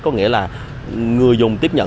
có nghĩa là người dùng tiếp nhận